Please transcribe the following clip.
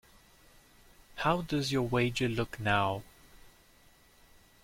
How does your wager look now.